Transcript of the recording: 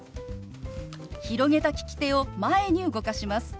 広げた利き手を前に動かします。